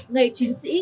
ngày chiến sĩ